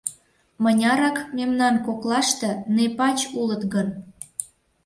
Мынярак мемнан коклаште нэпач улыт гын?